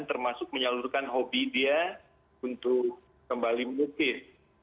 termasuk menyalurkan hobi dia untuk kembali mengukir